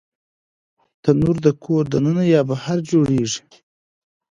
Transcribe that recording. تنور د کور دننه یا بهر جوړېږي